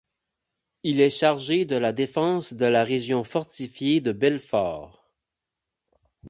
Il est chargé de la défense de la région fortifiée de Belfort.